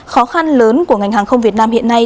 khó khăn lớn của ngành hàng không việt nam hiện nay